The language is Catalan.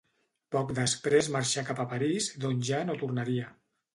Poc després marxà cap a París, d'on ja no tornaria.